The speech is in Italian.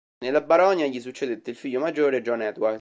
Nella baronia gli succedette il figlio maggiore, John Edward.